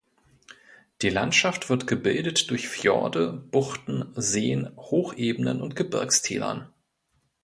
Die Landschaft wird gebildet durch Fjorde, Buchten, Seen, Hochebenen und Gebirgstälern.